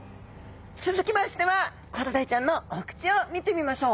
続きましてはコロダイちゃんのお口を見てみましょう。